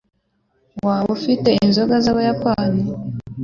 Waba ufite inzoga z'Abayapani?